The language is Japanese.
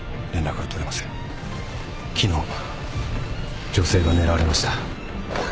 昨日女性が狙われました。